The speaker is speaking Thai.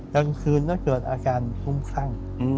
กลางคืนจะเกิดอาการกุ้งขั้ง